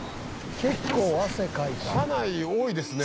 「結構汗かいた」？